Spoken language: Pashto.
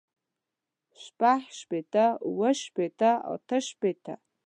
شپږ شپېته اووه شپېته اتۀ شپېته